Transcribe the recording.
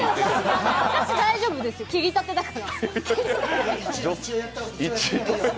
私、大丈夫ですよ、切りたてだから。